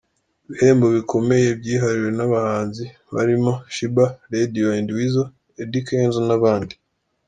Ibihembo bikomeye byihariwe n’abahanzi barimo Sheebah, Radio & Weasel, Eddy Kenzo n’abandi.